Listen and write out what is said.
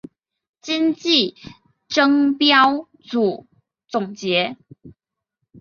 今季争标组总结。